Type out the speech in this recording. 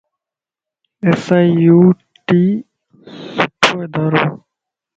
ايس. آئي. يو. ٽي سھڻو ادارو وَ.